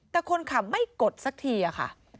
แต่คนขับไม่กดสักทีอะค่ะ